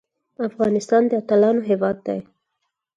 افغانستان د اتلانو هیواد دی